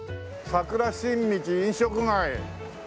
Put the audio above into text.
「桜新道飲食街」